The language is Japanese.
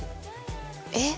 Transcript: えっ？